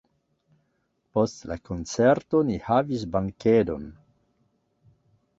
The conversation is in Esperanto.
Post la koncerto ni havis bankedon.